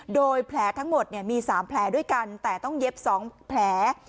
โดยแผลทั้งหมดมี๓แผลด้วยกันแต่ต้องเย็บ๒แผล